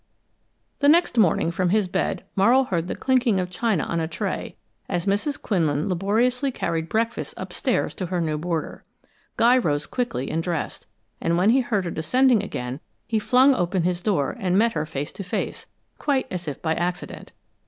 The next morning, from his bed Morrow heard the clinking of china on a tray as Mrs. Quinlan laboriously carried breakfast upstairs to her new boarder. Guy rose quickly and dressed, and when he heard her descending again he flung open his door and met her face to face, quite as if by accident.